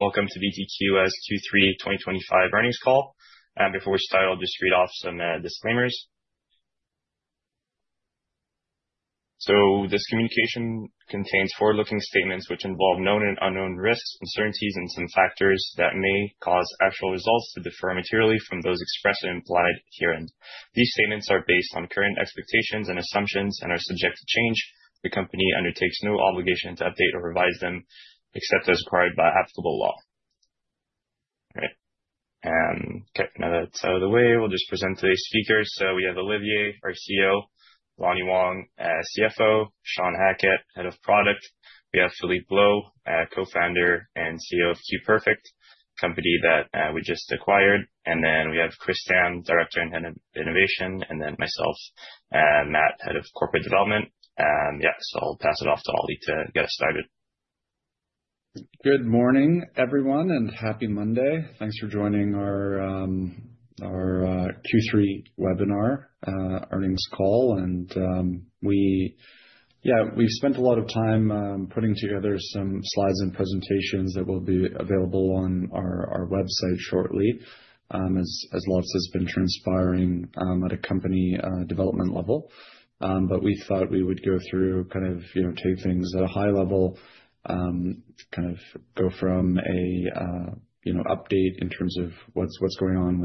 Welcome to BTQ's Q3 2025 earnings call. Before we start, I'll just read off some disclaimers. This communication contains forward-looking statements which involve known and unknown risks, uncertainties, and some factors that may cause actual results to differ materially from those expressed and implied herein. These statements are based on current expectations and assumptions and are subject to change. The company undertakes no obligation to update or revise them except as required by applicable law. All right. Now that's out of the way, we'll just present today's speakers. We have Olivier, our CEO, Lonny Wong, CFO, Sean Hackett, Head of Product. We have Philippe Blot, Co-founder and CEO of QPerfect, company that we just acquired. We have Chris Tam, Director and Head of Innovation, myself and Matt, Head of Corporate Development Yeah, I'll pass it off to Ollie to get us started. Good morning, everyone, and happy Monday. Thanks for joining our Q3 webinar earnings call. Yeah, we've spent a lot of time putting together some slides and presentations that will be available on our website shortly, as lots has been transpiring at a company development level. We thought we would go through kind of, you know, take things at a high level, kind of go from a, you know, update in terms of what's going on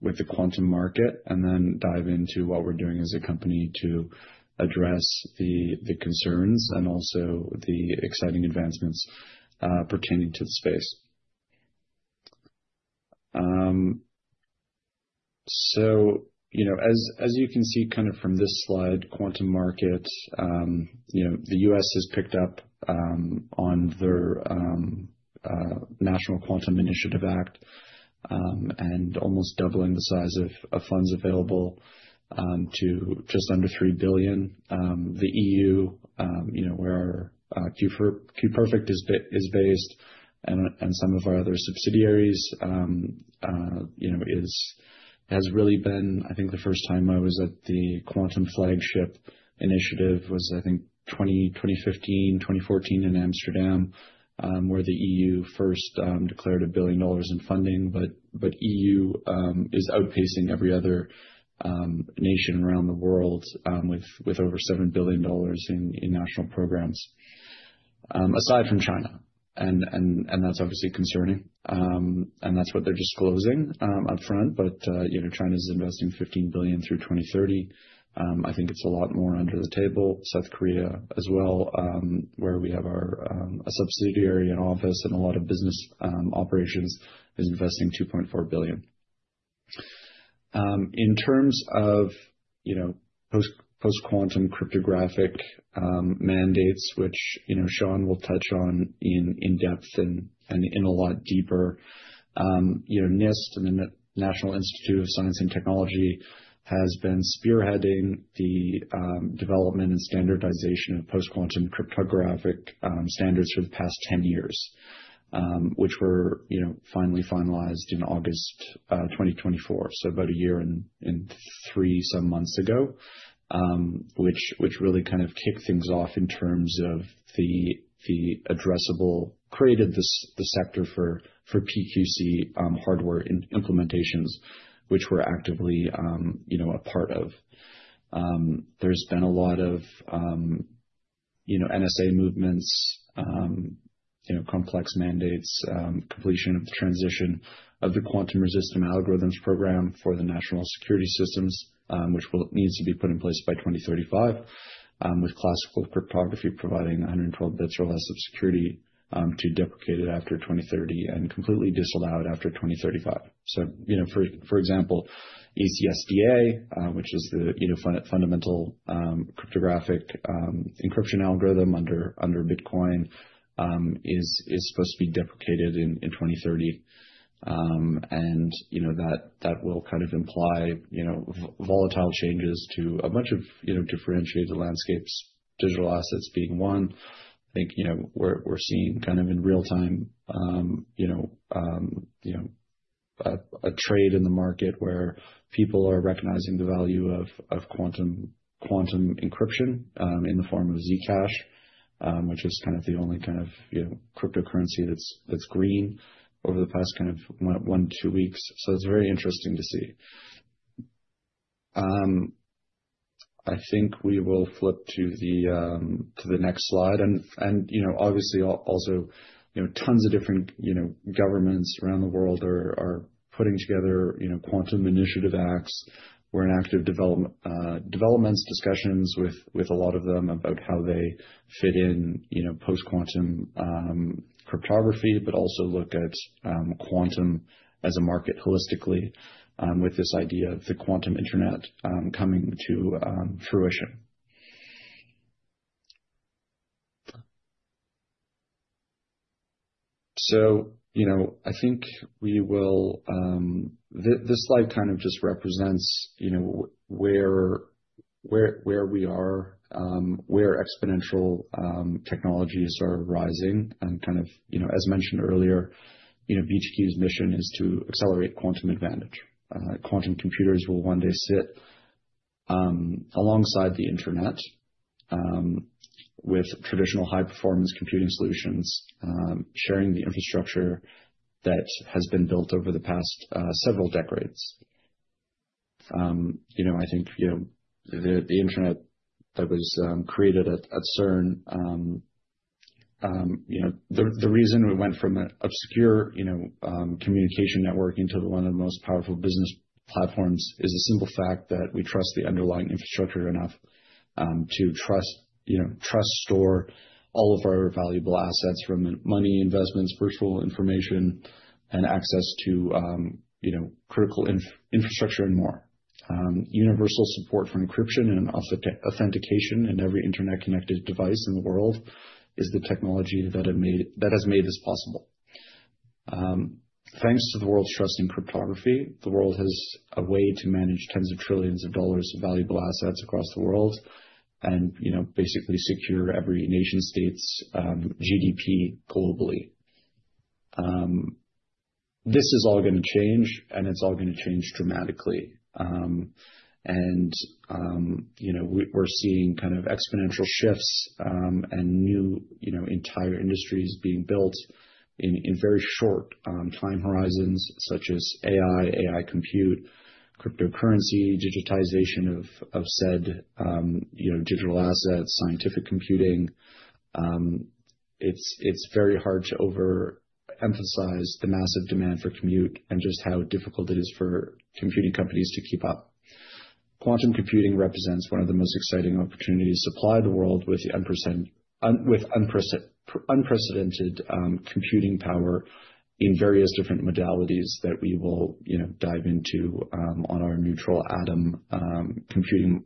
with the quantum market, and then dive into what we're doing as a company to address the concerns and also the exciting advancements pertaining to the space. As you can see from this slide, quantum market, the U.S. has picked up on their National Quantum Initiative Act and almost doubling the size of funds available to just under 3 billion. The EU, where QPerfect is based and some of our other subsidiaries, has really been the first time I was at the Quantum Flagship initiative, was setting 2015, 2014 in Amsterdam, where the EU first declared 1 billion dollars in funding. EU is outpacing every other nation around the world with over 7 billion dollars in national programs. Aside from China and that's obviously concerning. That's what they're disclosing, upfront. You know, China's investing 15 billion through 2030. I think it's a lot more under the table. South Korea as well, where we have our a subsidiary and office and a lot of business operations is investing 2.4 billion. In terms of, you know, post-quantum cryptographic mandates, which, you know, Sean will touch on in depth and in a lot deeper, you know, NIST, I mean, the National Institute of Standards and Technology has been spearheading the development and standardization of post-quantum cryptographic standards for the past 10 years, which were, you know, finally finalized in August 2024, so about one year and three some months ago, which really kind of kicked things off in terms of the addressable, the sector for PQC hardware implementations, which we're actively, you know, a part of. There's been a lot of, you know, NSA movements, you know, complex mandates, completion of the transition of the Quantum Resistant Algorithms program for the national security systems, which needs to be put in place by 2035, with classical cryptography providing 112 bits or less of security, to deprecated after 2030 and completely disallowed after 2035. You know, for example, ECDSA, which is the, you know, fundamental cryptographic encryption algorithm under Bitcoin, is supposed to be deprecated in 2030. You know, that will kind of imply, you know, volatile changes to a bunch of, you know, differentiated landscapes, digital assets being one. I think, you know, we're seeing kind of in real time, you know, a trade in the market where people are recognizing the value of quantum encryption, in the form of Zcash, which is kind of the only kind of, you know, cryptocurrency that's green over the past kind of one, two weeks. So it's very interesting to see. I think we will flip to the next slide. You know, obviously also, you know, tons of different, you know, governments around the world are putting together, you know, quantum initiative acts. We're in active developments, discussions with a lot of them about how they fit in, you know, post-quantum cryptography, but also look at quantum as a market holistically, with this idea of the quantum internet coming to fruition. You know, I think we will. This slide kind of just represents, you know, where we are, where exponential technologies are rising and kind of, you know, as mentioned earlier, you know, BTQ's mission is to accelerate quantum advantage. Quantum computers will one day sit alongside the internet, with traditional high-performance computing solutions, sharing the infrastructure that has been built over the past several decades. You know, I think, you know, the internet that was created at CERN, you know, the reason we went from an obscure, you know, communication network into one of the most powerful business platforms is the simple fact that we trust the underlying infrastructure enough to trust, you know, store all of our valuable assets from money investments, personal information, and access to, you know, critical infrastructure and more. Universal support for encryption and authentication in every internet-connected device in the world is the technology that has made this possible. Thanks to the world's trust in cryptography, the world has a way to manage tens of trillions of CAD of valuable assets across the world and, you know, basically secure every nation-state's GDP globally. This is all gonna change, it's all gonna change dramatically. You know, we're seeing kind of exponential shifts, and new, you know, entire industries being built in very short time horizons such as AI compute, cryptocurrency, digitization of said, you know, digital assets, scientific computing. It's very hard to overemphasize the massive demand for compute and just how difficult it is for computing companies to keep up. Quantum computing represents one of the most exciting opportunities to supply the world with unprecedented computing power in various different modalities that we will, you know, dive into, on our neutral atom computing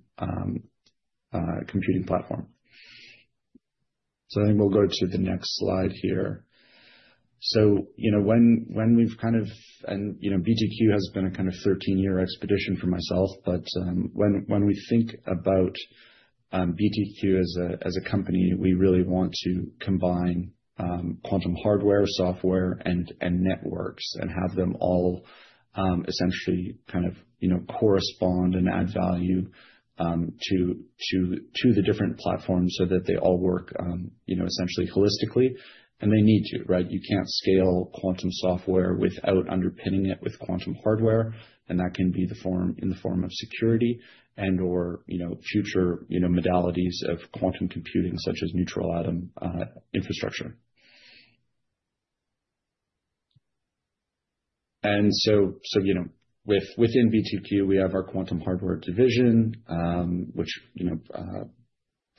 platform. I think we'll go to the next slide here. BTQ has been a 13-year expedition for myself, when we think about BTQ as a company, we really want to combine quantum hardware, software, and networks and have them all essentially correspond and add value to the different platforms so that they all work essentially holistically. They need to, right? You can't scale quantum software without underpinning it with quantum hardware, and that can be in the form of security and/or future modalities of quantum computing, such as neutral atom infrastructure. You know, within BTQ, we have our quantum hardware division, which, you know,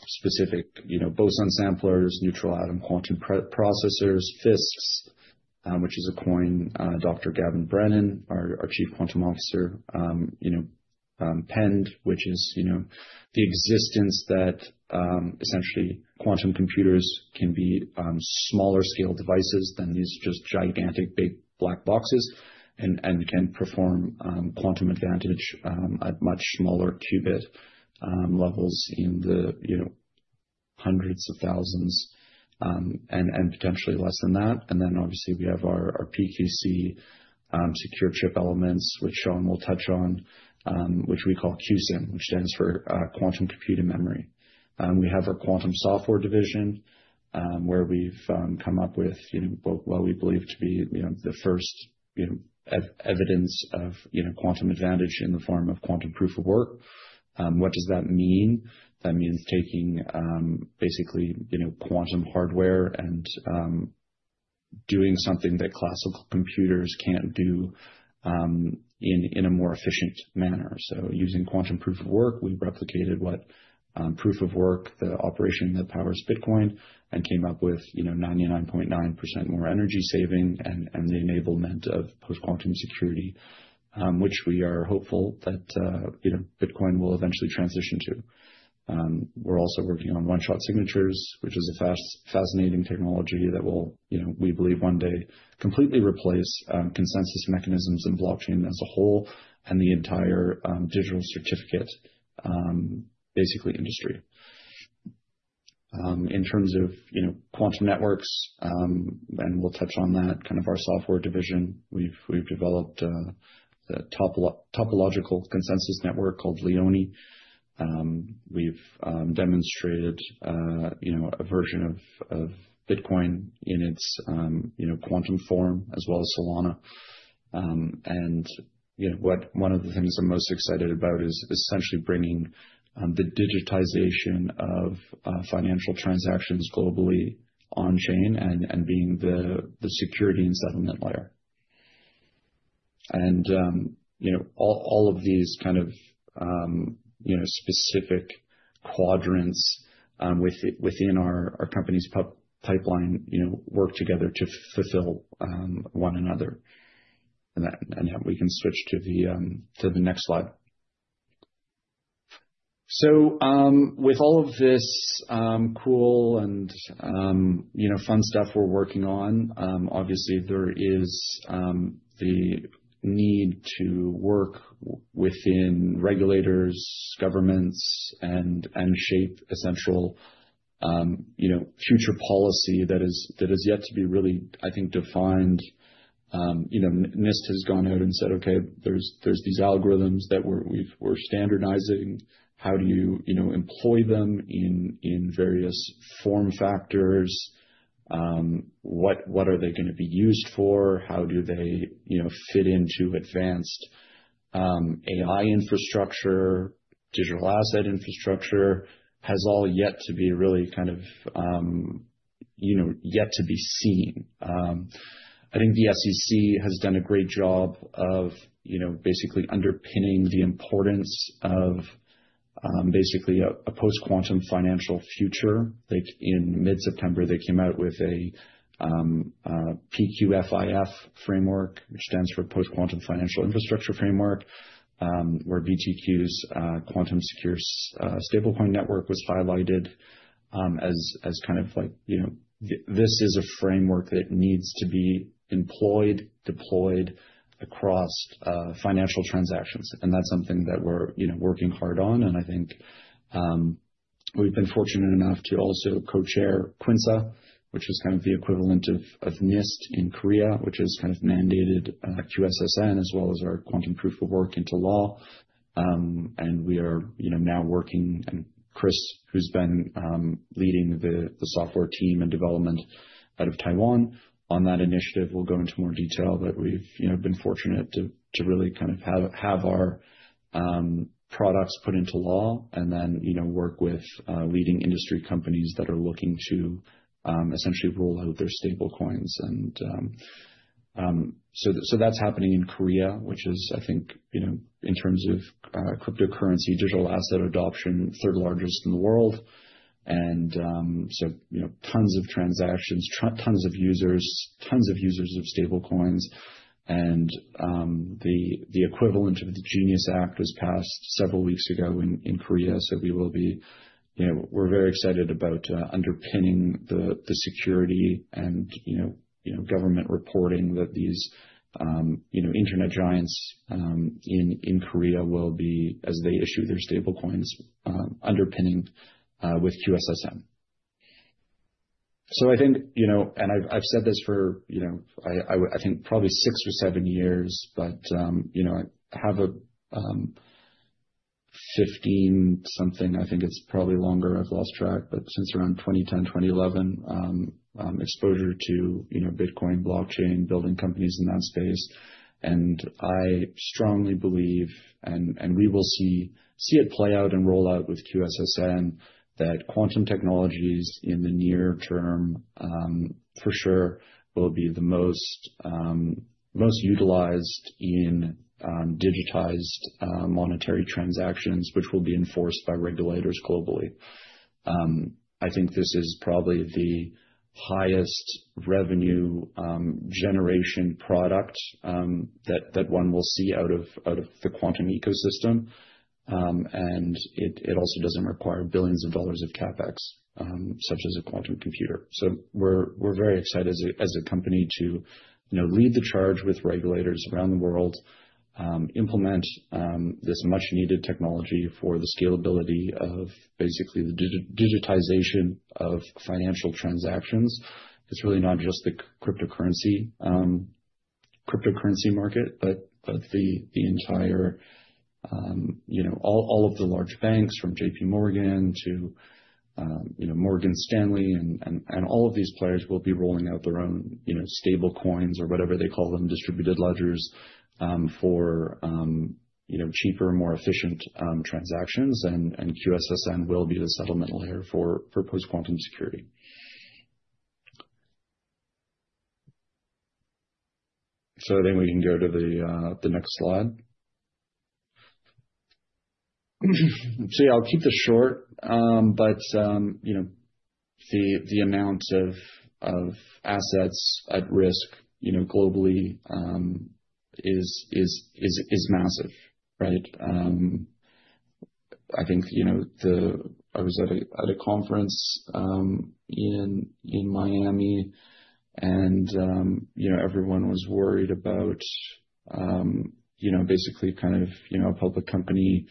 specific, you know, boson samplers, neutral-atom quantum processors, DISCs, which is a coin, Dr. Gavin Brennen, our Chief Quantum Officer, you know, penned, which is, you know, the existence that, essentially quantum computers can be smaller scale devices than these just gigantic big black boxes and can perform quantum advantage at much smaller qubit levels in the, you know, hundreds of thousands, and potentially less than that. obviously we have our PQC secure chip elements, which Sean will touch on, which we call QCIM, which stands for Quantum Compute-in-Memory. We have our quantum software division, where we've come up with, you know, what we believe to be, you know, the first, you know, evidence of, you know, Quantum Proof-of-Work. What does that mean? That means taking, basically, you know, quantum hardware and doing something that classical computers can't do, in a more efficient manner. Using Quantum Proof-of-Work, we've replicated what proof of work, the operation that powers Bitcoin, and came up with, you know, 99.9% more energy saving and the enablement of post-quantum security, which we are hopeful that, you know, Bitcoin will eventually transition to. We're also working on one-shot signatures, which is a fascinating technology that will, you know, we believe one day completely replace consensus mechanisms in blockchain as a whole and the entire digital certificate basically industry. In terms of, you know, quantum networks, and we'll touch on that, kind of our software division. We've developed a topological consensus network called Léonne. We've demonstrated, you know, a version of Bitcoin in its, you know, quantum form as well as Solana. You know, what one of the things I'm most excited about is essentially bringing the digitization of financial transactions globally on-chain and being the security and settlement layer. You know, all of these kind of, you know, specific quadrants within our company's pipeline, you know, work together to fulfill one another. Yeah, we can switch to the next slide. With all of this, cool and, you know, fun stuff we're working on, obviously, there is the need to work within regulators, governments, and shape essential, you know, future policy that is, that is yet to be really, I think, defined. You know, NIST has gone out and said, "Okay, there's these algorithms that we're standardizing. How do you know, employ them in various form factors? What, what are they gonna be used for? How do they, you know, fit into advanced AI infrastructure, digital asset infrastructure?" Has all yet to be really kind of, you know, yet to be seen. I think the SEC has done a great job of, you know, basically underpinning the importance of basically a post-quantum financial future. Like in mid-September, they came out with a PQFIF framework, which stands for Post-Quantum Financial Infrastructure Framework, where BTQ's Quantum Secure Stablecoin Network was highlighted, as kind of like, you know, this is a framework that needs to be employed, deployed across financial transactions. That's something that we're, you know, working hard on. I think, we've been fortunate enough to also Co-chair QuINSA, which is kind of the equivalent of NIST in Korea, which has kind of mandated QSSN as well as our Quantum Proof-of-Work into law. We are, you know, now working, and Chris, who's been leading the software team and development out of Taiwan on that initiative, will go into more detail. We've, you know, been fortunate to really kind of have our products put into law and then, you know, work with leading industry companies that are looking to essentially roll out their stablecoins. That's happening in Korea, which is, I think, you know, in terms of cryptocurrency, digital asset adoption, third largest in the world. Tons of transactions, tons of users, tons of users of stablecoins. The equivalent of the GENIUS Act was passed several weeks ago in Korea. We will be, we're very excited about underpinning security and government reporting that these internet giants in Korea will be, as they issue their stablecoins, underpinning with QSSN. I think, I've said this for, I think probably six or seven years, but I have a 15 something, I think it's probably longer, I've lost track, but since around 2010, 2011, exposure to Bitcoin, blockchain, building companies in that space. I strongly believe and we will see it play out and roll out with QSSN that quantum technologies in the near term, for sure will be the most utilized in digitized monetary transactions which will be enforced by regulators globally. I think this is probably the highest revenue generation product that one will see out of the quantum ecosystem. It also doesn't require billions of CAD of CapEx such as a quantum computer. We're very excited as a company to, you know, lead the charge with regulators around the world, implement this much-needed technology for the scalability of basically the digitization of financial transactions. It's really not just the cryptocurrency market, but the entire, you know, all of the large banks from JPMorgan to, you know, Morgan Stanley and all of these players will be rolling out their own, you know, stable coins or whatever they call them, distributed ledgers, for, you know, cheaper, more efficient transactions. QSSN will be the settlement layer for post-quantum security. We can go to the next slide. See, I'll keep this short. You know, the amount of assets at risk, you know, globally, is massive, right? I think, you know, the I was at a, at a conference, in Miami, and, you know, everyone was worried about, you know, basically kind of, you know, a public company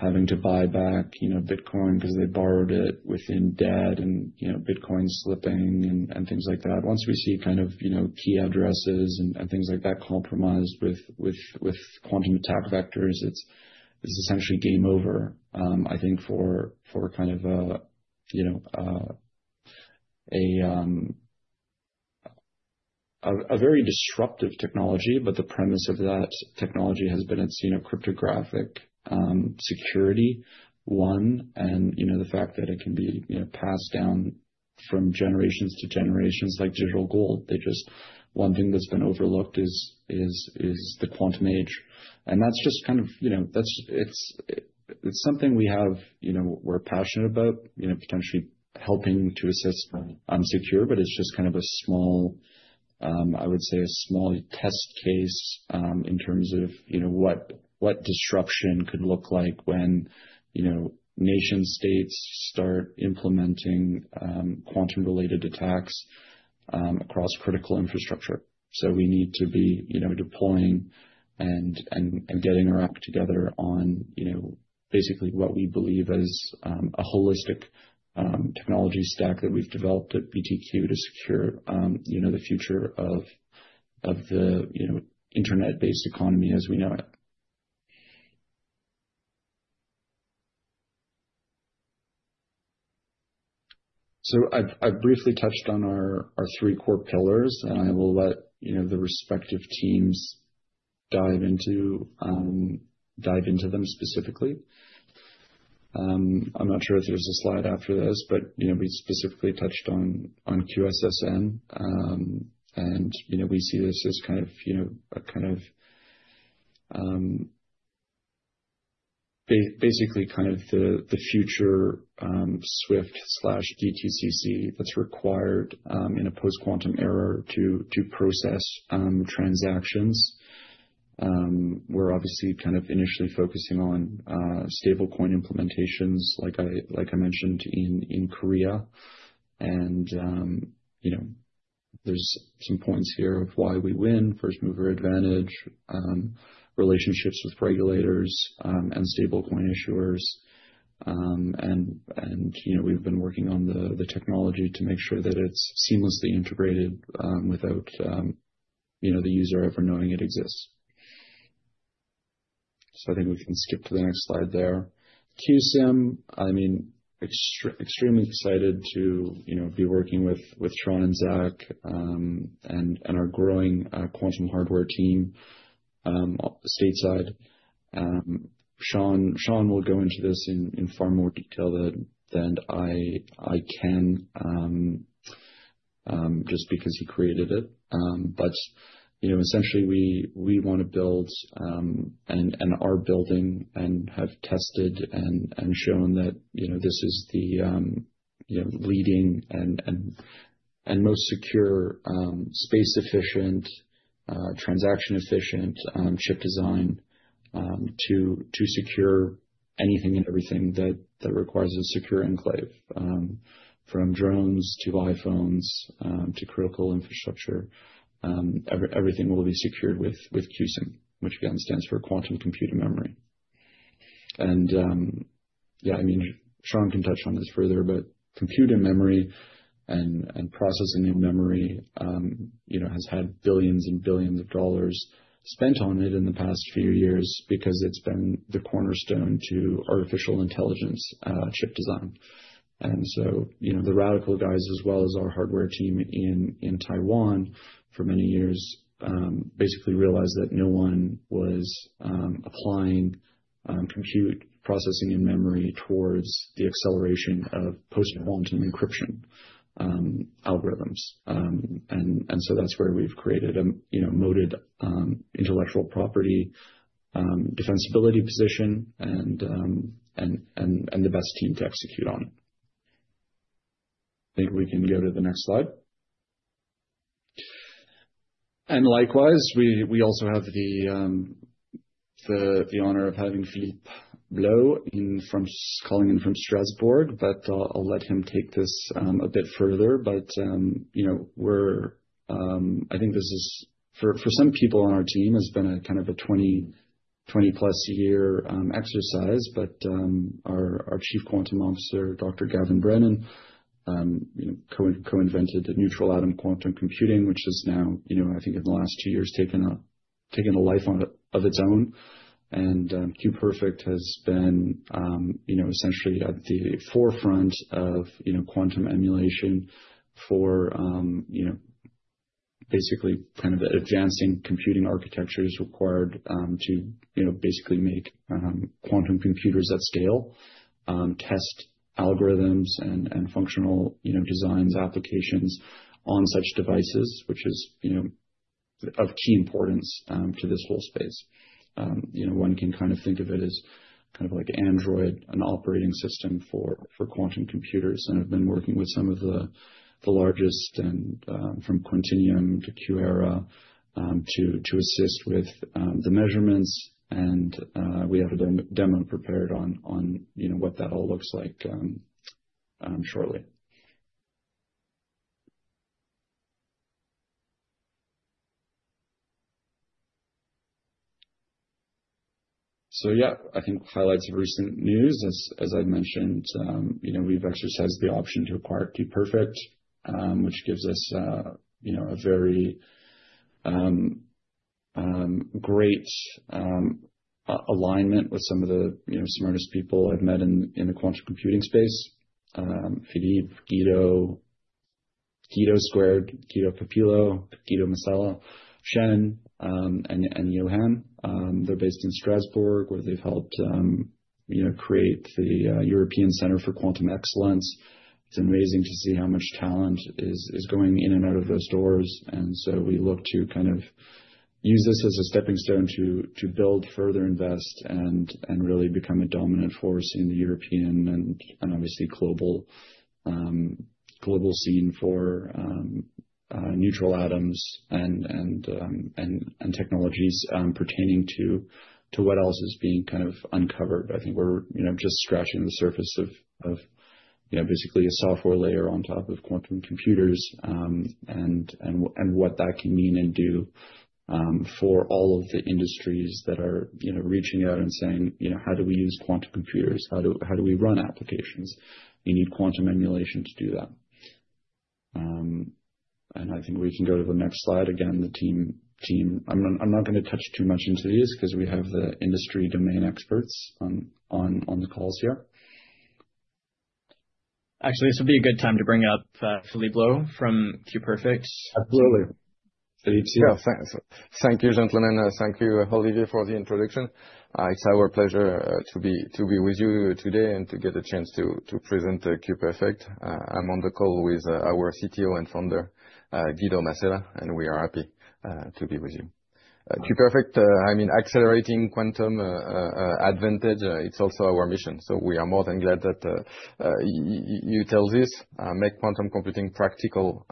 having to buy back, you know, Bitcoin 'cause they borrowed it within debt and, you know, Bitcoin slipping and things like that. Once we see kind of, you know, key addresses and things like that compromised with quantum attack vectors, it's essentially game over, I think for kind of a, you know, a very disruptive technology, but the premise of that technology has been it's, you know, cryptographic, security, one. The fact that it can be, you know, passed down from generations to generations like digital gold. One thing that's been overlooked is the quantum age. That's just kind of, you know, it's something we have, you know, we're passionate about, you know, potentially helping to assist, secure, but it's just kind of a small, I would say a small test case, in terms of, you know, what disruption could look like when, you know, nation-states start implementing quantum-related attacks. Across critical infrastructure. We need to be, you know, deploying and getting our act together on, you know, basically what we believe is a holistic technology stack that we've developed at BTQ to secure, you know, the future of the, you know, internet-based economy as we know it. I've briefly touched on our three core pillars, and I will let you know the respective teams dive into them specifically. I'm not sure if there's a slide after this, but you know, we specifically touched on QSSN, and you know, we see this as kind of, you know, a kind of basically kind of the future SWIFT/DTCC that's required in a post-quantum era to process transactions. We're obviously kind of initially focusing on stablecoin implementations like I mentioned in Korea. You know, there's some points here of why we win, first mover advantage, relationships with regulators, and stablecoin issuers. You know, we've been working on the technology to make sure that it's seamlessly integrated, without, you know, the user ever knowing it exists. I think we can skip to the next slide there. QCIM, I mean, extremely excited to, you know, be working with Sean and Zach, and our growing quantum hardware team, stateside. Sean will go into this in far more detail than I can, just because he created it. You know, essentially we wanna build, and are building and have tested and shown that, you know, this is the, you know, leading and most secure, space-efficient, transaction-efficient, chip design, to secure anything and everything that requires a secure enclave. From drones to iPhones, to critical infrastructure, everything will be secured with QCIM, which again stands for quantum computing in memory. Yeah, I mean, Sean can touch on this further, but compute-in-memory and compute-in-memory, you know, has had billions and billions dollars spent on it in the past few years because it's been the cornerstone to artificial intelligence chip design. You know, the Radical guys as well as our hardware team in Taiwan for many years, basically realized that no one was applying compute-in-memory towards the acceleration of post-quantum cryptography algorithms. That's where we've created a, you know, moated intellectual property defensibility position and the best team to execute on. I think we can go to the next slide. Likewise, we also have the honor of having Philippe Blot calling in from Strasbourg, but I'll let him take this a bit further. You know, we're, I think this is for some people on our team has been a kind of a 20-plus year exercise. Our Chief Quantum Officer, Dr. Gavin Brennen, you know, co-invented neutral atom quantum computing, which has now, you know, I think in the last two years taken a life on of its own. QPerfect has been, you know, essentially at the forefront of, you know, quantum emulation for, you know, basically kind of advancing computing architectures required to, you know, basically make quantum computers at scale, test algorithms and functional, you know, designs, applications on such devices, which is, you know, of key importance to this whole space. You know, one can kind of think of it as kind of like Android, an operating system for quantum computers and have been working with some of the largest and from Quantinuum to QuEra, to assist with the measurements. We have a demo prepared on, you know, what that all looks like shortly. Yeah, I think highlights of recent news as I've mentioned, we've exercised the option to acquire QPerfect, which gives us a very great alignment with some of the smartest people I've met in the quantum computing space. Philippe, Guido squared, Guido Pupillo, Guido Masella, Shen, and Johan. They're based in Strasbourg, where they've helped create the European Center for Quantum Excellence. It's amazing to see how much talent is going in and out of those doors. We look to kind of use this as a stepping stone to build, further invest and really become a dominant force in the European and obviously global scene for neutral atoms and technologies pertaining to what else is being kind of uncovered. I think we're, you know, just scratching the surface of, you know, basically a software layer on top of quantum computers and what that can mean and do for all of the industries that are, you know, reaching out and saying, you know, "How do we use quantum computers? How do we run applications?" You need quantum emulation to do that. I think we can go to the next slide. Again, the team I'm not gonna touch too much into these 'cause we have the industry domain experts on the calls here. Actually, this would be a good time to bring up Philippe Blot from QPerfect. Absolutely. Philippe, it's you. Yeah. Thank you, gentlemen. Thank you, Olivier, for the introduction. It's our pleasure to be with you today and to get a chance to present QPerfect. I'm on the call with our CTO and founder, Guido Masella, and we are happy to be with you. QPerfect, I mean, accelerating quantum advantage, it's also our mission. We are more than glad that you tell this, make quantum computing practical,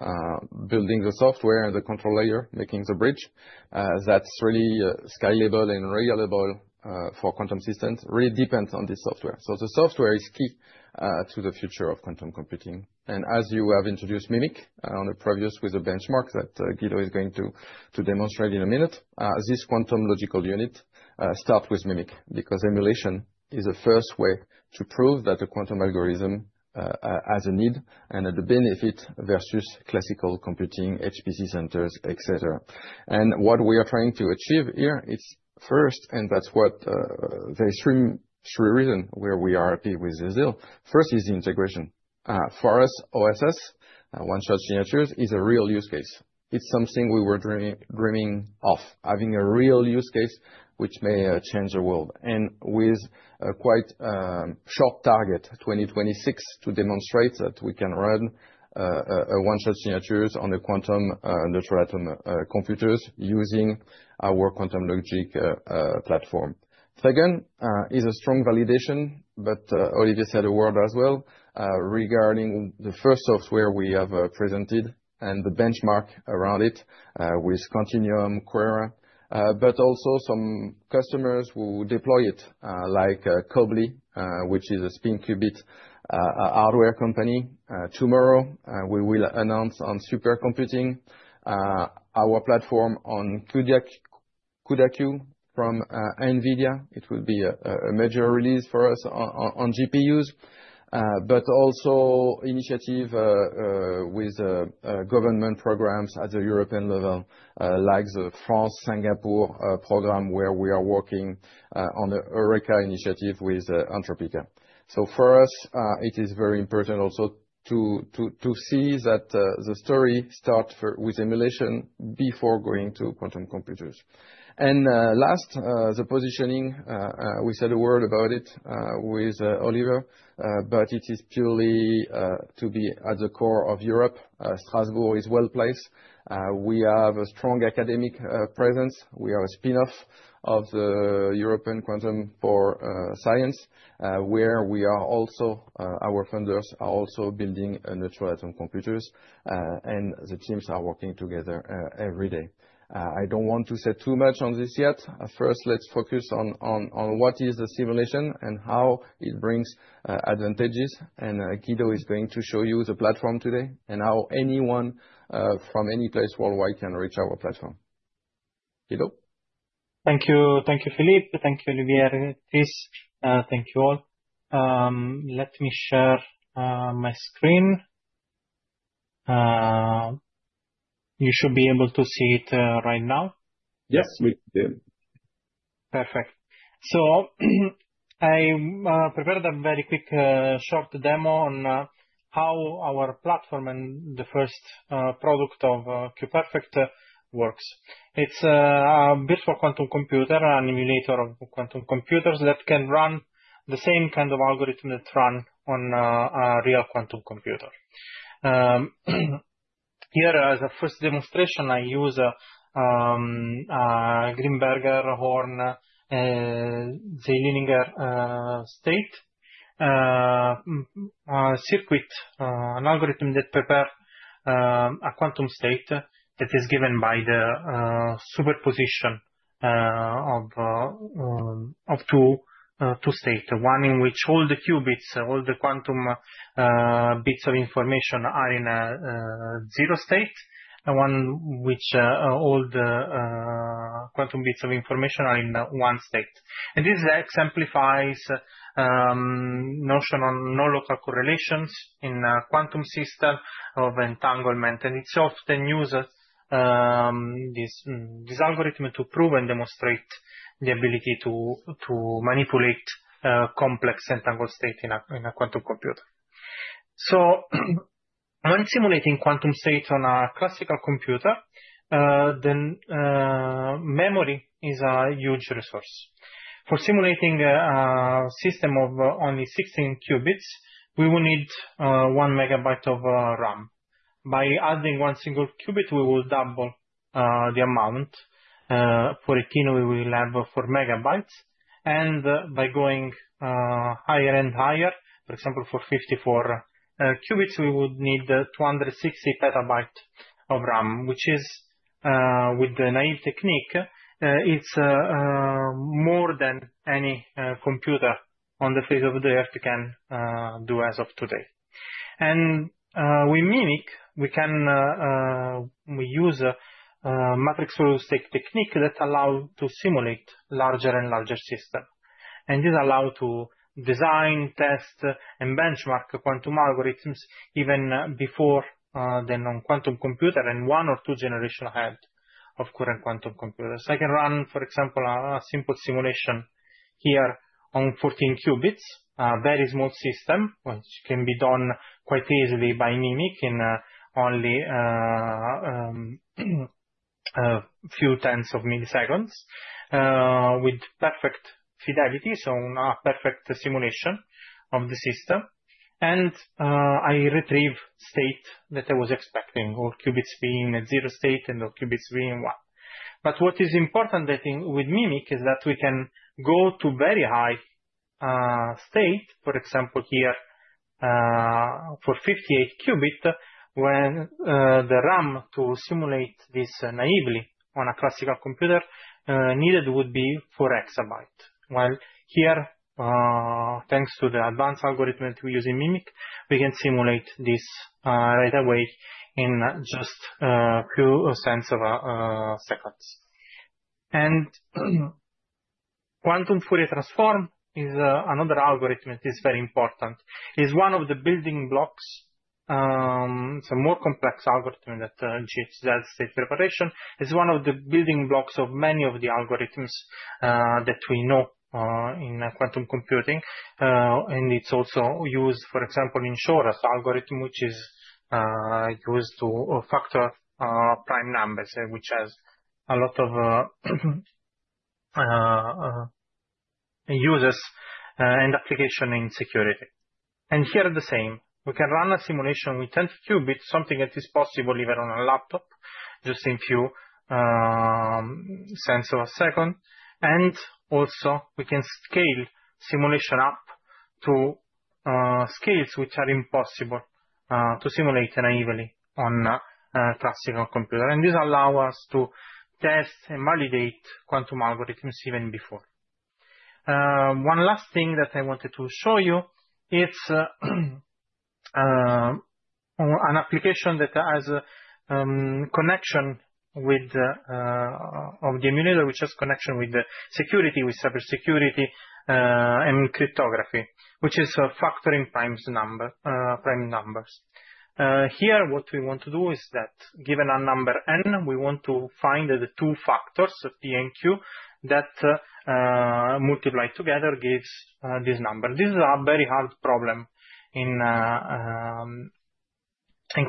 building the software and the control layer, making the bridge that's really scalable and reliable for quantum systems really depends on this software. The software is key to the future of quantum computing. As you have introduced MIMIQ on the previous with the benchmark that Guido is going to demonstrate in a minute. This quantum logical unit, start with MIMIQ because emulation is a first way to prove that the quantum algorithm has a need and that the benefit versus classical computing HPC centers, et cetera. What we are trying to achieve here is first, and that's what the extreme reason where we are happy with ZIL. First is the integration. For us, OSS, one-shot signatures, is a real use case. It's something we were dreaming of, having a real use case which may change the world. With a quite short target, 2026, to demonstrate that we can run one-shot signatures on the quantum neutral atom computers using our quantum logic platform. Second, is a strong validation, Ollie said a word as well regarding the first software we have presented and the benchmark around it with Quantinuum and QuEra. Also some customers will deploy it like Quobly, which is a spin qubit hardware company. Tomorrow, we will announce on supercomputing our platform on CUDA-Q from NVIDIA. It will be a major release for us on GPUs. Also initiative with government programs at the European level, like the France-Singapore program, where we are working on the QUREKA initiative with Antropica. For us, it is very important also to see that the story start with emulation before going to quantum computers. Last, the positioning, we said a word about it with Olivier, it is purely to be at the core of Europe. Strasbourg is well-placed. We have a strong academic presence. We are a spinoff of the European Quantum Sciences, where we are also, our founders are also building a neutral atom computers, and the teams are working together every day. I don't want to say too much on this yet. First, let's focus on what is the simulation and how it brings advantages. Guido is going to show you the platform today and how anyone from any place worldwide can reach our platform. Guido? Thank you. Thank you, Philippe. Thank you, Olivier. Chris, thank you all. Let me share my screen. You should be able to see it right now. Yes, we do. Perfect. I prepared a very quick, short demo on how our platform and the first product of QPerfect works. It's built for quantum computer and emulator of quantum computers that can run the same kind of algorithm that run on a real quantum computer. Here as a first demonstration, I use a Greenberger-Horne-Zeilinger state. A circuit, an algorithm that prepare a quantum state that is given by the superposition of two state. One in which all the qubits, the quantum bits of information are in a zero state. One which all the quantum bits of information are in one state. This exemplifies notion of nonlocal correlations in a quantum system of entanglement. It's often used, this algorithm to prove and demonstrate the ability to manipulate complex entangled state in a quantum computer. When simulating quantum state on a classical computer, memory is a huge resource. For simulating a system of only 16 qubits, we will need 1 MB of RAM. By adding one single qubit, we will double the amount. For a kilo, we will have 4 MB. By going higher and higher, for example, for 54 qubits, we would need 260 PB of RAM. With the naive technique, it's more than any computer on the face of the earth can do as of today. With MIMIQ we can, we use a matrix realistic technique that allow to simulate larger and larger system. This allow to design, test, and benchmark quantum algorithms even before than on quantum computer and one or two generation ahead of current quantum computers. I can run, for example, a simple simulation here on 14 qubits, a very small system which can be done quite easily by MIMIQ in only a few tenths of milliseconds with perfect fidelity, so a perfect simulation of the system. I retrieve state that I was expecting, all qubits being at zero state and all qubits being one. What is important I think with MIMIQ is that we can go to very high state. For example, here, for 58 qubit, when the RAM to simulate this naively on a classical computer, needed would be 4 exabyte. While here, thanks to the advanced algorithm that we use in MIMIQ, we can simulate this right away in just few cents of seconds. Quantum Fourier transform is another algorithm that is very important. It's one of the building blocks, it's a more complex algorithm that achieves that state preparation. It's one of the building blocks of many of the algorithms that we know in quantum computing. It's also used, for example, in Shor's algorithm, which is used to factor prime numbers, which has a lot of users and application in security. Here are the same. We can run a simulation with 10 qubit, something that is possible even on a laptop just in few cents of a second. Also we can scale simulation up to scales which are impossible to simulate naively on a classical computer. This allow us to test and validate quantum algorithms even before. One last thing that I wanted to show you, it's an application that has connection with of the emulator, which has connection with the security, with cyber security, and cryptography, which is factoring prime numbers. Here what we want to do is that given a number N, we want to find the two factors, P and Q, that multiplied together gives this number. This is a very hard problem in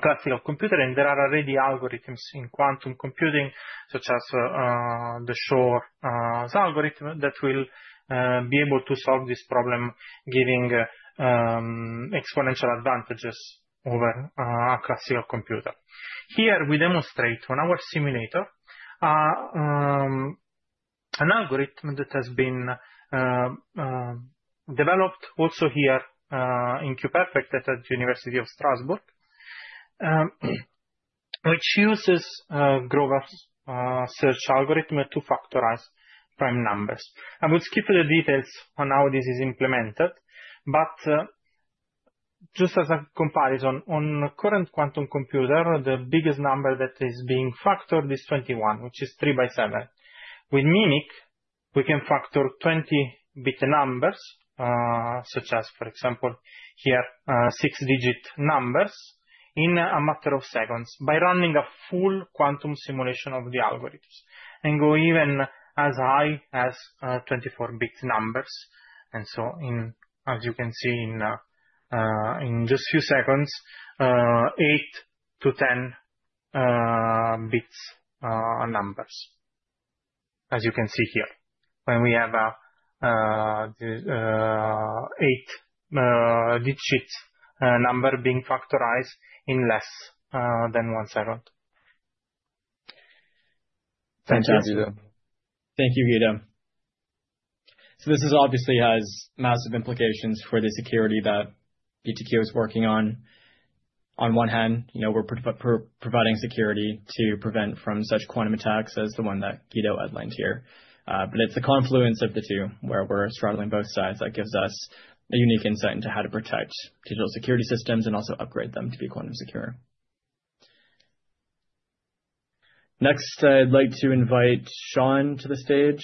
classical computer, and there are already algorithms in quantum computing such as the Shor algorithm that will be able to solve this problem giving exponential advantages over classical computer. Here we demonstrate on our simulator an algorithm that has been developed also here in QPerfect at University of Strasbourg, which uses Grover's search algorithm to factorize prime numbers. I will skip the details on how this is implemented, but just as a comparison, on current quantum computer, the biggest number that is being factored is 21, which is three by seven. With MIMIQ, we can factor 20 bigger numbers, such as, for example, here, six-digit numbers in a matter of seconds by running a full quantum simulation of the algorithms, and go even as high as 24-bit numbers. As you can see in just few seconds, eight to 10-bits numbers. As you can see here, when we have a eight digits number being factorized in less than one second. Thank you. Fantastic. Thank you, Guido. This is obviously has massive implications for the security that BTQ is working on. On one hand, you know, we're providing security to prevent from such quantum attacks as the one that Guido outlined here. It's a confluence of the two where we're straddling both sides that gives us a unique insight into how to protect digital security systems and also upgrade them to be quantum secure. Next, I'd like to invite Sean to the stage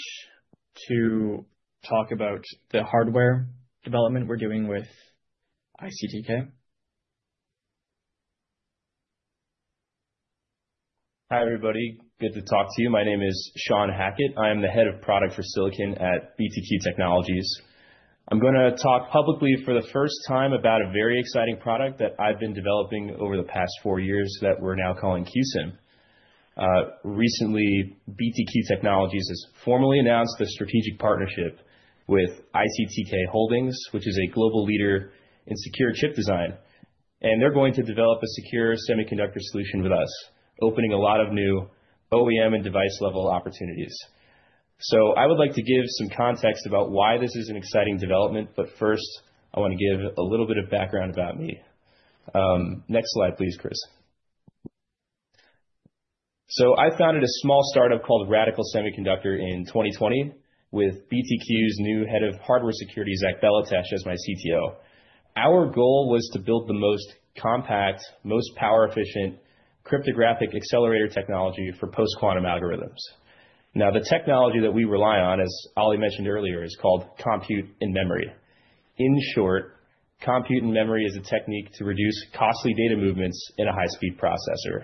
to talk about the hardware development we're doing with ICTK. Hi, everybody. Good to talk to you. My name is Sean Hackett. I am the Head of Product for Silicon at BTQ Technologies. I'm gonna talk publicly for the first time about a very exciting product that I've been developing over the past four years that we're now calling QCIM. Recently, BTQ Technologies has formally announced a strategic partnership with ICTK Holdings, which is a global leader in secure chip design, and they're going to develop a secure semiconductor solution with us, opening a lot of new OEM and device-level opportunities. I would like to give some context about why this is an exciting development, but first, I wanna give a little bit of background about me. Next slide, please, Chris. I founded a small startup called Radical Semiconductor in 2020 with BTQ's new head of hardware security, Zach Belateche, as my CTO. Our goal was to build the most compact, most power-efficient cryptographic accelerator technology for post-quantum algorithms. Now, the technology that we rely on, as Ollie mentioned earlier, is called compute-in-memory. In short, compute-in-memory is a technique to reduce costly data movements in a high-speed processor,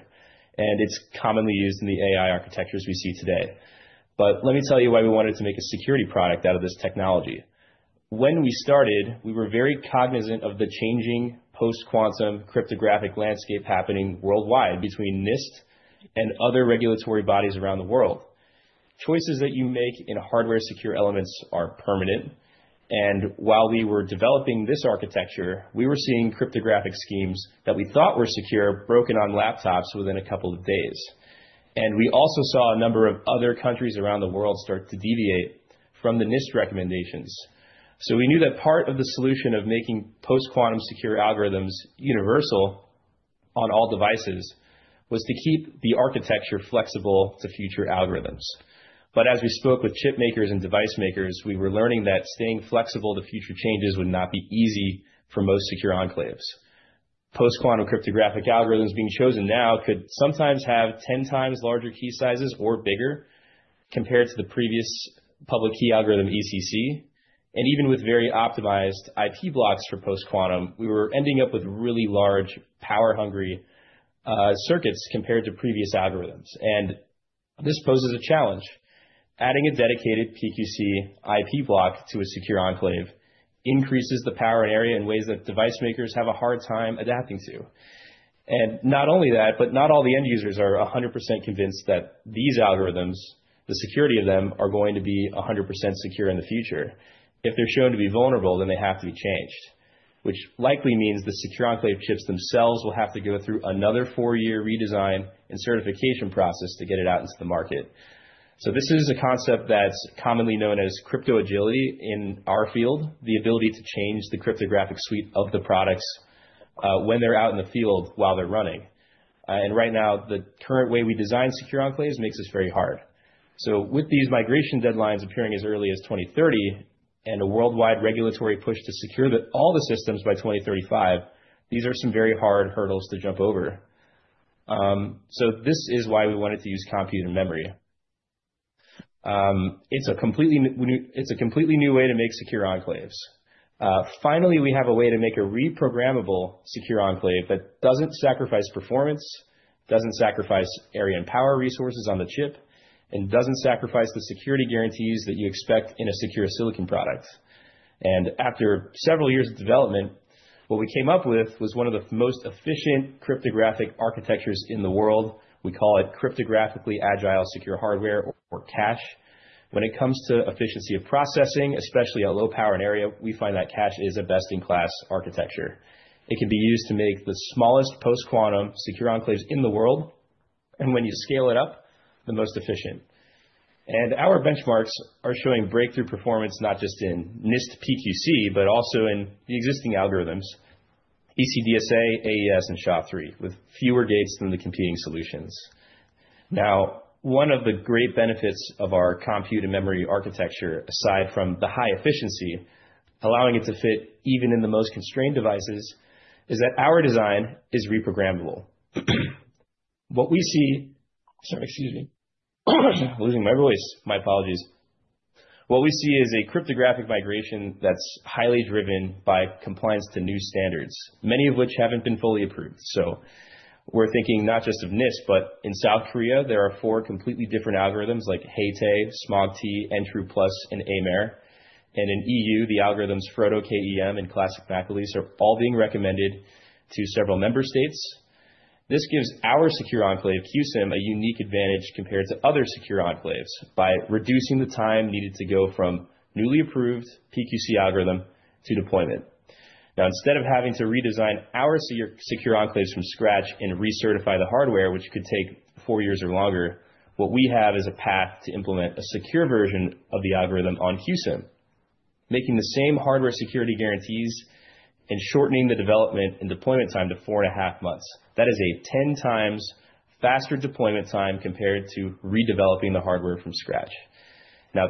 and it's commonly used in the AI architectures we see today. Let me tell you why we wanted to make a security product out of this technology. When we started, we were very cognizant of the changing post-quantum cryptographic landscape happening worldwide between NIST and other regulatory bodies around the world. Choices that you make in hardware-secure elements are permanent, and while we were developing this architecture, we were seeing cryptographic schemes that we thought were secure broken on laptops within a couple of days. We also saw a number of other countries around the world start to deviate from the NIST recommendations. We knew that part of the solution of making post-quantum secure algorithms universal on all devices was to keep the architecture flexible to future algorithms. As we spoke with chip makers and device makers, we were learning that staying flexible to future changes would not be easy for most secure enclaves. Post-quantum cryptographic algorithms being chosen now could sometimes have 10 times larger key sizes or bigger compared to the previous public key algorithm, ECC. Even with very optimized IP blocks for post-quantum, we were ending up with really large power-hungry circuits compared to previous algorithms, and this poses a challenge. Adding a dedicated PQC IP block to a secure enclave increases the power and area in ways that device makers have a hard time adapting to. not only that, but not all the end users are 100% convinced that these algorithms, the security of them, are going to be 100% secure in the future. If they're shown to be vulnerable, then they have to be changed, which likely means the secure enclave chips themselves will have to go through another four-year redesign and certification process to get it out into the market. this is a concept that's commonly known as crypto agility in our field, the ability to change the cryptographic suite of the products, when they're out in the field while they're running. right now, the current way we design secure enclaves makes this very hard. With these migration deadlines appearing as early as 2030 and a worldwide regulatory push to secure all the systems by 2035, these are some very hard hurdles to jump over. This is why we wanted to use compute-in-memory. It's a completely new way to make secure enclaves. Finally, we have a way to make a reprogrammable secure enclave that doesn't sacrifice performance, doesn't sacrifice area and power resources on the chip, and doesn't sacrifice the security guarantees that you expect in a secure silicon product. After several years of development, what we came up with was one of the most efficient cryptographic architectures in the world. We call it Cryptographically Agile Secure Hardware or CASH. When it comes to efficiency of processing, especially at low power and area, we find that CASH is a best-in-class architecture. It can be used to make the smallest post-quantum secure enclaves in the world, and when you scale it up, the most efficient. Our benchmarks are showing breakthrough performance, not just in NIST PQC, but also in the existing algorithms, ECDSA, AES, and SHA-3, with fewer gates than the competing solutions. Now, one of the great benefits of our compute-in-memory architecture, aside from the high efficiency, allowing it to fit even in the most constrained devices, is that our design is reprogrammable. What we see. Sorry. Excuse me. Losing my voice. My apologies. What we see is a cryptographic migration that's highly driven by compliance to new standards, many of which haven't been fully approved. We're thinking not just of NIST, but in South Korea, there are four completely different algorithms like HAETAE, SMAUG-T, NTRU+, and AIMer. In EU, the algorithms FrodoKEM and Classic McEliece are all being recommended to several member states. This gives our secure enclave, QCIM, a unique advantage compared to other secure enclaves by reducing the time needed to go from newly approved PQC algorithm to deployment. Now, instead of having to redesign our secure enclaves from scratch and recertify the hardware, which could take four years or longer, what we have is a path to implement a secure version of the algorithm on QCIM, making the same hardware security guarantees and shortening the development and deployment time to four and a half months. That is a 10 times faster deployment time compared to redeveloping the hardware from scratch.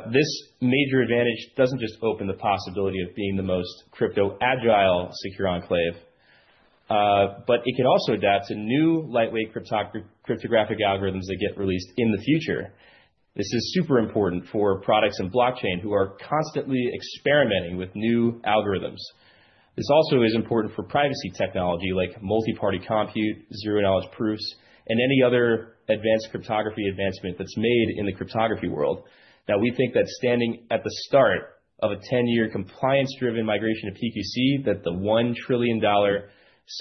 This major advantage doesn't just open the possibility of being the most crypto-agile secure enclave, but it can also adapt to new lightweight cryptographic algorithms that get released in the future. This is super important for products in blockchain who are constantly experimenting with new algorithms. This also is important for privacy technology like multi-party compute, zero-knowledge proofs, and any other advanced cryptography advancement that's made in the cryptography world. We think that standing at the start of a 10-year compliance-driven migration to PQC, that the one trillion dollar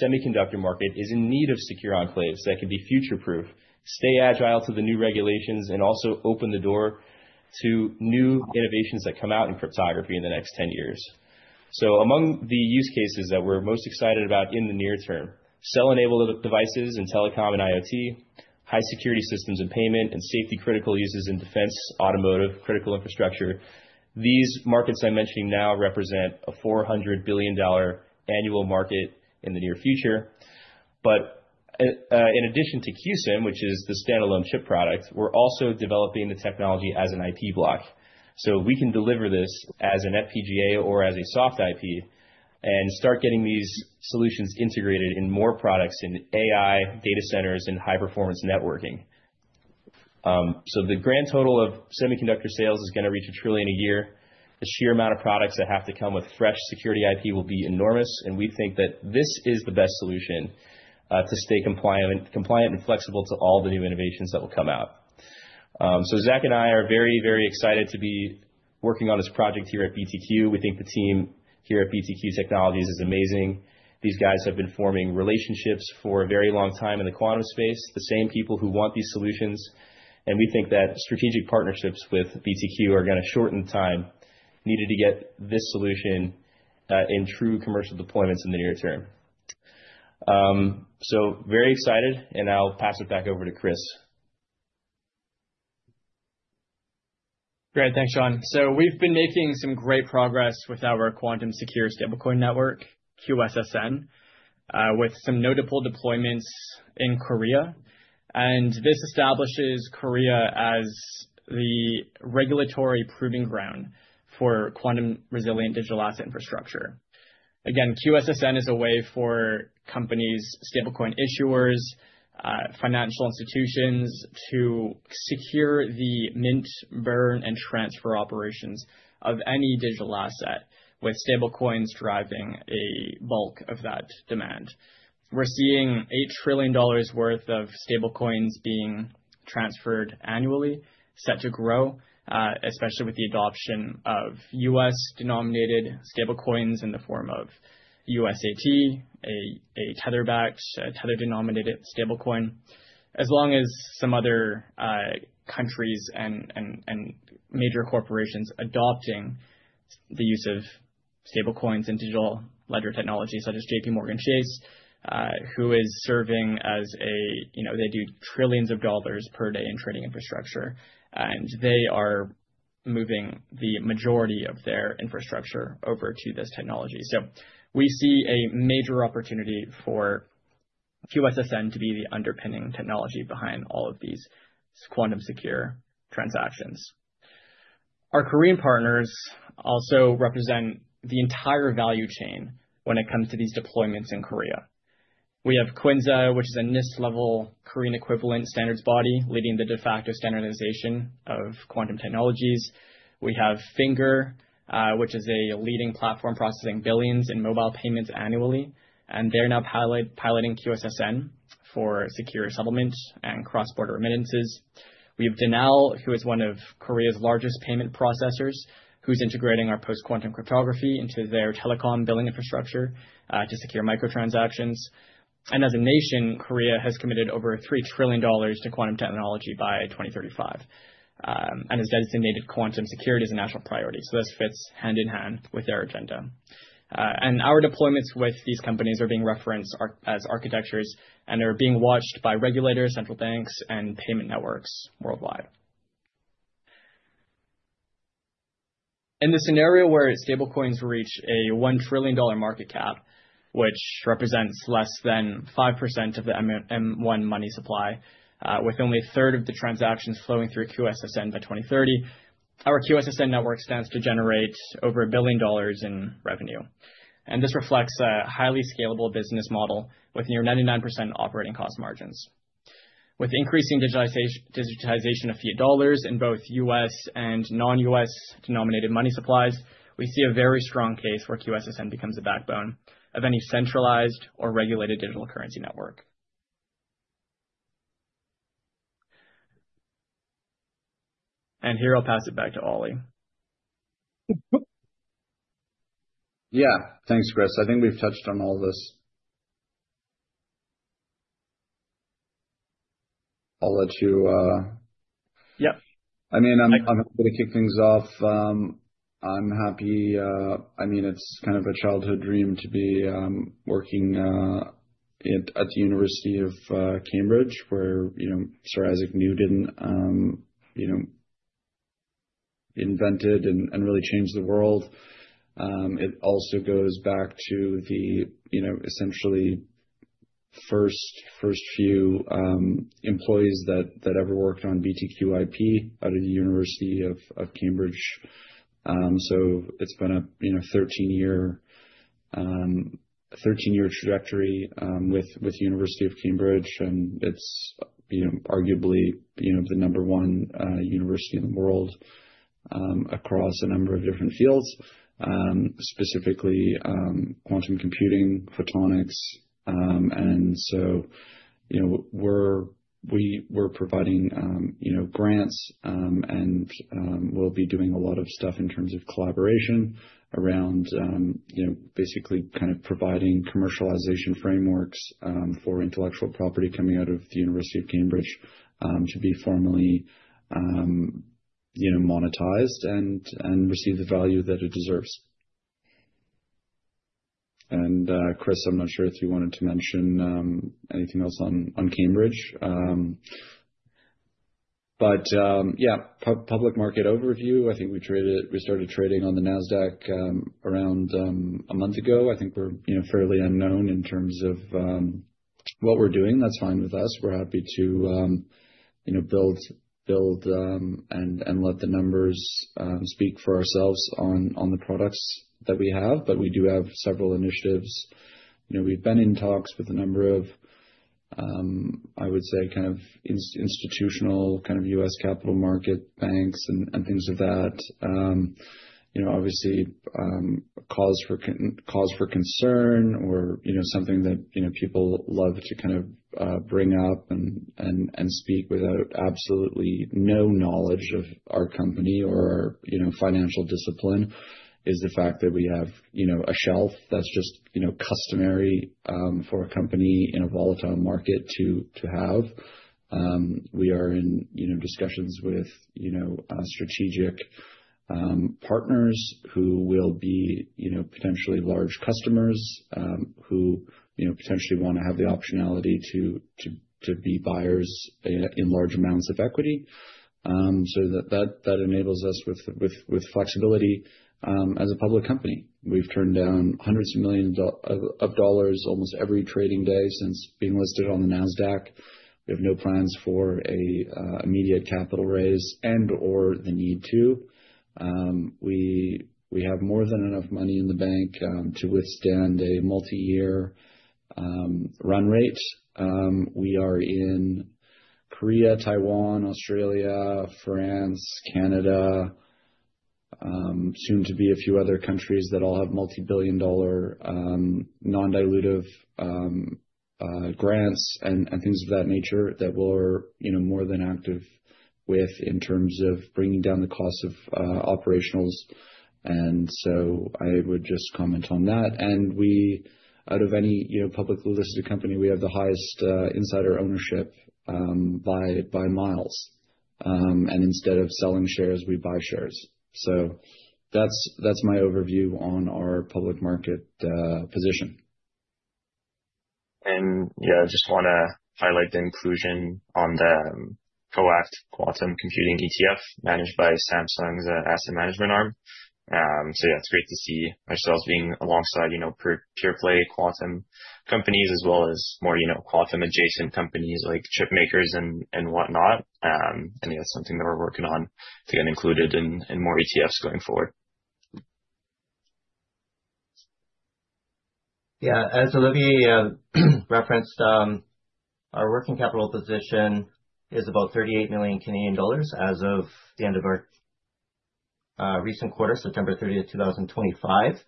semiconductor market is in need of secure enclaves that can be future-proof, stay agile to the new regulations, and also open the door to new innovations that come out in cryptography in the next 10 years. Among the use cases that we're most excited about in the near term, cell-enabled devices in telecom and IoT high security systems and payment and safety critical uses in defense, automotive, critical infrastructure. These markets I'm mentioning now represent a 400 billion dollar annual market in the near future. In addition to QCIM, which is the standalone chip product, we're also developing the technology as an IP block. We can deliver this as an FPGA or as a soft IP and start getting these solutions integrated in more products in AI, data centers, and high-performance networking. The grand total of semiconductor sales is gonna reach a 1 trillion a year. The sheer amount of products that have to come with fresh security IP will be enormous, and we think that this is the best solution to stay compliant and flexible to all the new innovations that will come out. Zach and I are very, very excited to be working on this project here at BTQ. We think the team here at BTQ Technologies is amazing. These guys have been forming relationships for a very long time in the quantum space, the same people who want these solutions, and we think that strategic partnerships with BTQ are gonna shorten the time needed to get this solution in true commercial deployments in the near term. Very excited, and I'll pass it back over to Chris. Great. Thanks, Sean. We've been making some great progress with our Quantum Secure Stablecoin Network, QSSN, with some notable deployments in Korea. This establishes Korea as the regulatory proving ground for quantum-resilient digital asset infrastructure. Again, QSSN is a way for companies, stablecoin issuers, financial institutions to secure the mint, burn, and transfer operations of any digital asset, with stablecoins driving a bulk of that demand. We're seeing 8 trillion dollars worth of stablecoins being transferred annually, set to grow, especially with the adoption of US-denominated stablecoins in the form of USDT, a Tether-backed, a Tether-denominated stablecoin, as long as some other countries and major corporations adopting the use of stablecoins and digital ledger technology, such as JPMorgan Chase, who is serving as, you know, they do trillions dollars per day in trading infrastructure, and they are moving the majority of their infrastructure over to this technology. We see a major opportunity for QSSN to be the underpinning technology behind all of these quantum secure transactions. Our Korean partners also represent the entire value chain when it comes to these deployments in Korea. We have QuINSA, which is a NIST-level Korean equivalent standards body leading the de facto standardization of quantum technologies. We have Finger, which is a leading platform processing billions in mobile payments annually, and they're now piloting QSSN for secure settlement and cross-border remittances. We have Danal, who is one of Korea's largest payment processors, who's integrating our post-quantum cryptography into their telecom billing infrastructure, to secure micro-transactions. As a nation, Korea has committed over 3 trillion dollars to quantum technology by 2035, and has designated quantum security as a national priority. This fits hand in hand with their agenda. Our deployments with these companies are being referenced as architectures, and they're being watched by regulators, central banks, and payment networks worldwide. In the scenario where stablecoins reach a 1 trillion dollar market cap, which represents less than 5% of the M1 money supply, with only 1/3 of the transactions flowing through QSSN by 2030, our QSSN network stands to generate over 1 billion dollars in revenue. This reflects a highly scalable business model with near 99% operating cost margins. With increasing digitization of fiat dollars in both U.S. and non-U.S. denominated money supplies, we see a very strong case where QSSN becomes the backbone of any centralized or regulated digital currency network. Here I'll pass it back to Oli. Yeah. Thanks, Chris. I think we've touched on all this. I'll let you Yeah. I mean, I'm happy to kick things off. I mean, it's kind of a childhood dream to be working at the University of Cambridge, where, you know, Sir Isaac Newton, you know, invented and really changed the world. It also goes back to the, you know, essentially first few employees that ever worked on BTQ IP out of the University of Cambridge. It's been a, you know, 13-year trajectory with University of Cambridge, and it's, you know, arguably, you know, the number one university in the world across a number of different fields, specifically quantum computing, photonics. you know, we're providing, you know, grants, and we'll be doing a lot of stuff in terms of collaboration around, you know, basically kind of providing commercialization frameworks, for intellectual property coming out of the University of Cambridge, to be formally, you know, monetized and receive the value that it deserves. Chris, I'm not sure if you wanted to mention anything else on Cambridge. Yeah, public market overview. I think we started trading on the Nasdaq around a month ago. I think we're, you know, fairly unknown in terms of what we're doing. That's fine with us. We're happy to, you know, build and let the numbers speak for ourselves on the products that we have. We do have several initiatives. You know, we've been in talks with a number of, I would say, kind of institutional kind of U.S. capital market banks and things of that. You know, obviously, cause for concern or, you know, something that, you know, people love to kind of bring up and speak without absolutely no knowledge of our company or, you know, financial discipline, is the fact that we have, you know, a shelf that's just, you know, customary for a company in a volatile market to have. We are in, you know, discussions with, you know, strategic partners who will be, you know, potentially large customers, you know, who, you know, potentially wanna have the optionality to be buyers in large amounts of equity. That enables us with flexibility, you know, as a public company. We've turned down hundreds of millions of dollars almost every trading day since being listed on the Nasdaq. We have no plans for a immediate capital raise and/or the need to. We have more than enough money in the bank to withstand a multi-year run rate. We are in Korea, Taiwan, Australia, France, Canada soon to be a few other countries that all have multi-billion dollar non-dilutive grants and things of that nature that we're you know more than active with in terms of bringing down the cost of operationals. I would just comment on that. Out of any you know publicly listed company we have the highest insider ownership by miles. Instead of selling shares we buy shares. That's my overview on our public market position. Yeah, I just wanna highlight the inclusion on the KoAct Quantum Computing ETF managed by Samsung's Asset Management Arm. Yeah, it's great to see ourselves being alongside, you know, pure play quantum companies as well as more, you know, quantum adjacent companies like chip makers and whatnot. Something that we're working on to get included in more ETFs going forward. Yeah. As Olivier referenced, our working capital position is about 38 million Canadian dollars as of the end of our recent quarter, September 30, 2025.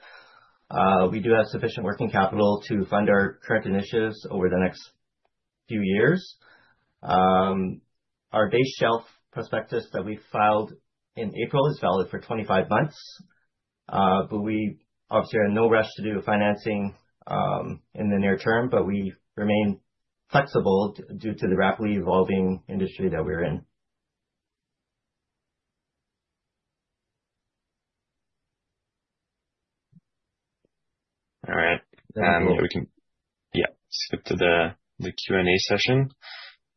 We do have sufficient working capital to fund our current initiatives over the next few years. Our base shelf prospectus that we filed in April is valid for 25 months. We obviously are in no rush to do financing in the near term, but we remain flexible due to the rapidly evolving industry that we're in. All right. We can skip to the Q&A session.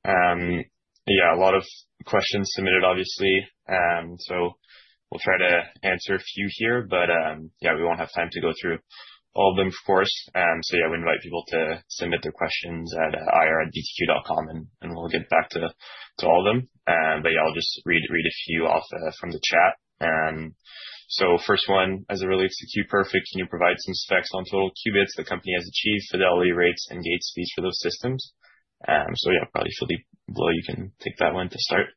A lot of questions submitted obviously. We'll try to answer a few here. We won't have time to go through all of them, of course. We invite people to submit their questions at investors@btq.com, and we'll get back to all them. I'll just read a few off from the chat. First one, as it relates to QPerfect, can you provide some specs on total qubits the company has achieved, fidelity rates and gate speeds for those systems? Probably Philippe, well, you can take that one to start.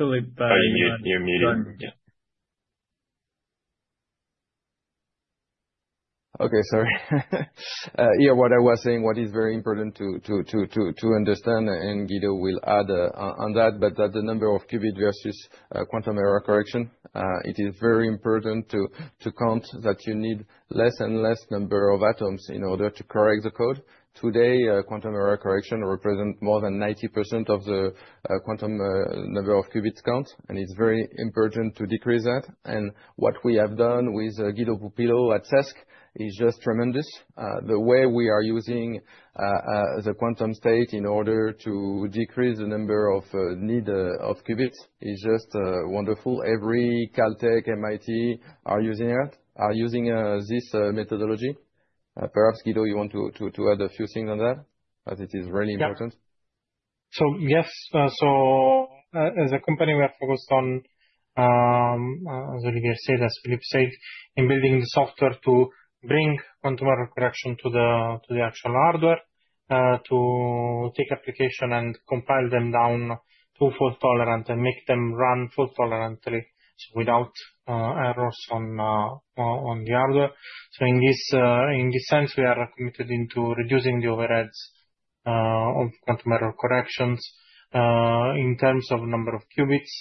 Oh, you mute. You're muted. Yeah. Okay, sorry. Yeah, what I was saying, what is very important to understand, and Guido will add on that, but that the number of qubit versus quantum error correction, it is very important to count that you need less and less number of atoms in order to correct the code. Today, quantum error correction represent more than 90% of the quantum number of qubits count, and it's very important to decrease that. What we have done with Guido Pupillo at CESQ is just tremendous. The way we are using the quantum state in order to decrease the number of need of qubits is just wonderful. Every Caltech, MIT are using it, are using this methodology. Perhaps, Guido, you want to add a few things on that, as it is really important. Yes, as a company, we are focused on, as Olivier said, as Philippe said, in building the software to bring quantum error correction to the actual hardware, to take application and compile them down to fault-tolerant and make them run fault-tolerantly so without errors on the hardware. In this sense, we are committed into reducing the overheads of quantum error corrections in terms of number of qubits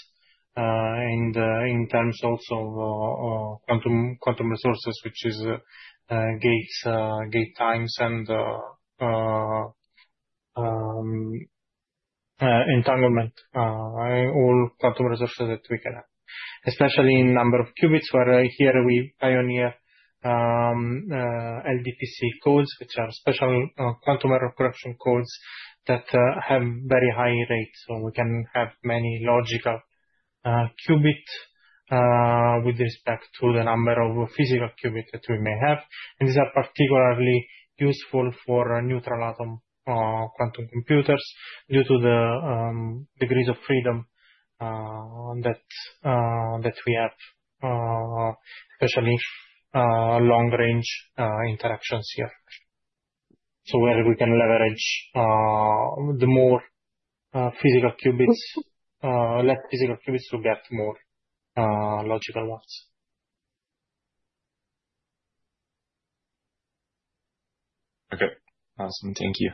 and in terms also of quantum resources, which is gates, gate times and entanglement, all quantum resources that we can have, especially in number of qubits, where here we pioneer LDPC codes, which are special quantum error correction codes that have very high rates. We can have many logical qubit with respect to the number of physical qubit that we may have. These are particularly useful for neutral atom quantum computers due to the degrees of freedom that we have, especially long range interactions here. where we can leverage the more physical qubits, less physical qubits to get more logical ones. Okay, awesome. Thank you.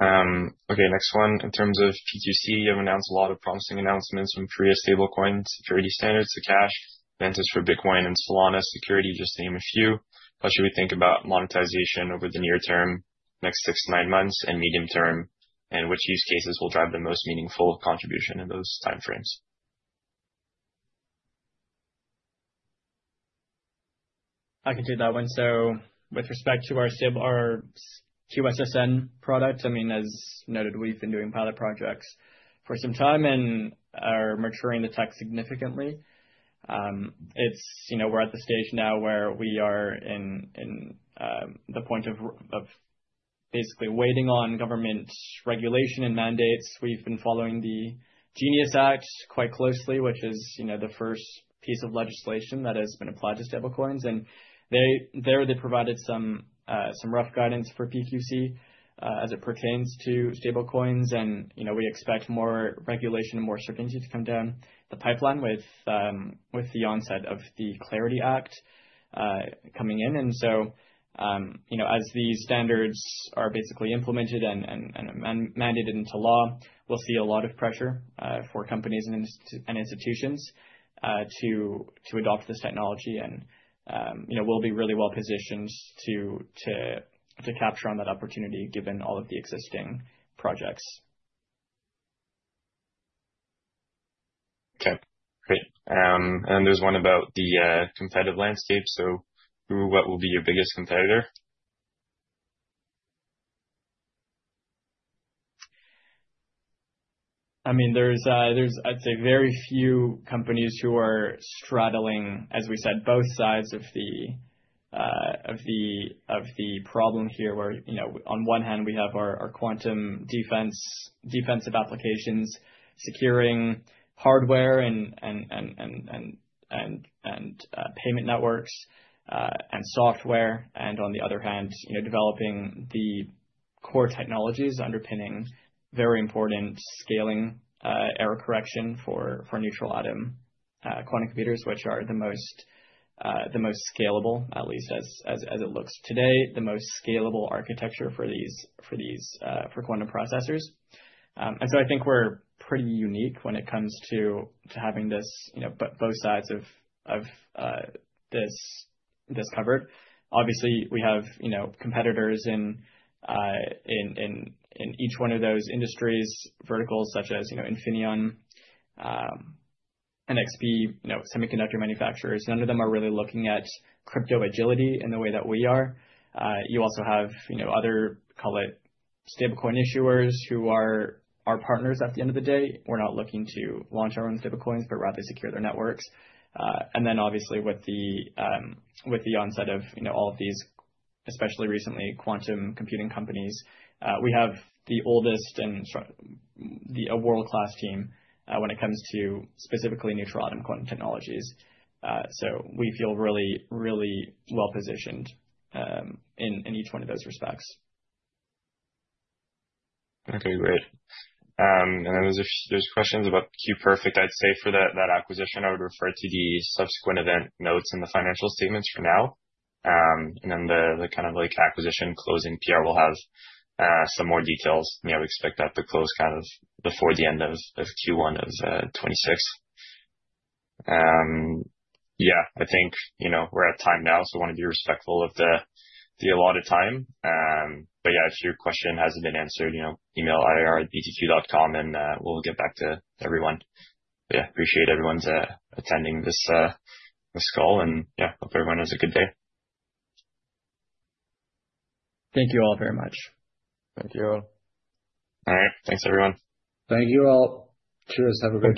Okay, next one. In terms of PQC, you have announced a lot of promising announcements from prior stablecoins, security standards to CASH, ventures for Bitcoin and Solana security, just to name a few. How should we think about monetization over the near term, next six to nine months and medium term, and which use cases will drive the most meaningful contribution in those timeframes? I can take that one. With respect to our QSSN product, I mean, as noted, we've been doing pilot projects for some time and are maturing the tech significantly. It's, you know, we're at the stage now where we are in the point of basically waiting on government regulation and mandates. We've been following the GENIUS Act quite closely, which is, you know, the first piece of legislation that has been applied to stablecoins. There they provided some rough guidance for PQC as it pertains to stablecoins. You know, we expect more regulation and more certainty to come down the pipeline with the onset of the Clarity Act coming in. You know, as these standards are basically implemented and mandated into law, we'll see a lot of pressure for companies and institutions to adopt this technology. You know, we'll be really well-positioned to capture on that opportunity given all of the existing projects. Okay, great. There's one about the competitive landscape. Who or what will be your biggest competitor? I mean, there's I'd say very few companies who are straddling, as we said, both sides of the problem here, where, you know, on one hand, we have our quantum defensive applications securing hardware and payment networks and software. On the other hand, you know, developing the core technologies underpinning very important scaling, error correction for neutral atom quantum computers, which are the most scalable, at least as it looks today, the most scalable architecture for these, for quantum processors. I think we're pretty unique when it comes to having both sides of this covered. Obviously, we have, you know, competitors in each one of those industries, verticals such as, you know, Infineon, NXP, you know, semiconductor manufacturers. None of them are really looking at crypto agility in the way that we are. You also have, you know, other, call it stablecoin issuers who are our partners at the end of the day. We're not looking to launch our own stablecoins, but rather secure their networks. Then obviously with the onset of, you know, all of these, especially recently, quantum computing companies, we have the oldest and a world-class team when it comes to specifically neutral atom quantum technologies. So we feel really, really well-positioned in each one of those respects. Okay, great. Then there's questions about QPerfect. I'd say for that acquisition, I would refer to the subsequent event notes in the financial statements for now. Then the kind of like acquisition closing PR will have some more details. You know, we expect that to close kind of before the end of Q1 of 2026. Yeah, I think, you know, we're at time now, so wanna be respectful of the allotted time. Yeah, if your question hasn't been answered, you know, email investors@btq.com and we'll get back to everyone. Yeah, appreciate everyone's attending this call and, yeah, hope everyone has a good day. Thank you all very much. Thank you. All right. Thanks, everyone. Thank you all. Cheers. Have a good one.